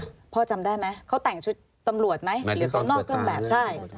เขามีมันในตัวตลอดปั่นแบบ